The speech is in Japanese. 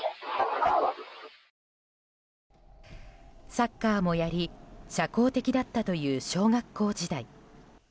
サッカーもやり社交的だったという小学校時代。